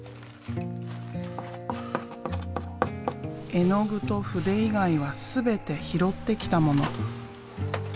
絵の具と筆以外は全て拾ってきたもの。